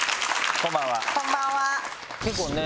こんばんは。